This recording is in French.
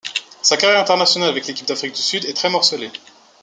Sa carrière internationale avec l'équipe d'Afrique du Sud est très morcelée.